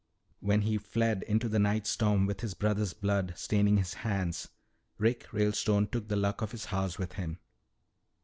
"When he fled into the night storm with his brother's blood staining his hands, Rick Ralestone took the Luck of his house with him.